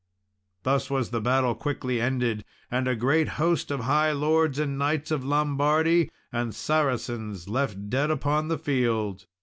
Thus was the battle quickly ended, and a great host of high lords and knights of Lombardy and Saracens left dead upon the field.